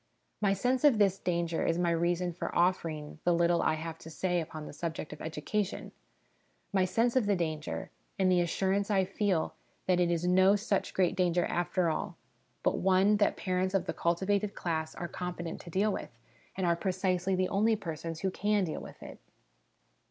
My sense of this danger is my reason for offering the little I have to say upon the subject of education, my sense of the danger, and the assurance I feel that it is no such great danger after all, but one that parents of the cultivated class are competent to deal SOME PRELIMINARY CONSIDERATIONS 39 with, and are precisely the only persons who can deal with it.